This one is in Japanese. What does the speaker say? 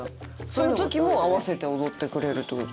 そういう時も合わせて踊ってくれるって事？